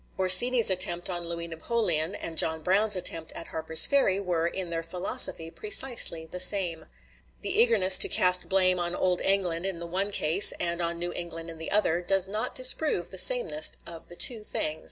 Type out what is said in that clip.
Orsini's attempt on Louis Napoleon, and John Brown's attempt at Harper's Ferry were, in their philosophy, precisely the same. The eagerness to cast blame on old England in the one ease, and on New England in the other, does not disprove the sameness of the two things.